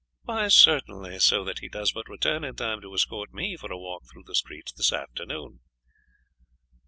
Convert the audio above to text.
"Certainly, so that he does but return in time to escort me for a walk through the streets this afternoon."